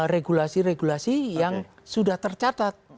regulasi regulasi yang sudah tercatat